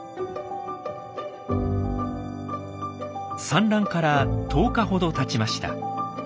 産卵から１０日ほどたちました。